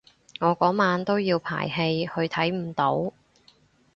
我嗰晚都要排戲去唔到睇